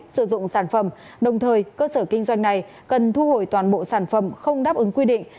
sử dụng sản phẩm đồng thời cơ sở kinh doanh này cần thu hồi toàn bộ sản phẩm không đáp ứng quy định